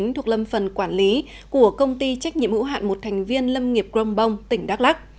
thuộc lâm phần quản lý của công ty trách nhiệm hữu hạn một thành viên lâm nghiệp grongbong tỉnh đắk lắc